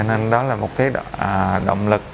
nên đó là một cái động lực